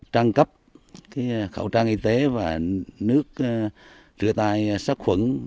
trang cấp khẩu trang y tế và nước trưa tai sắc khuẩn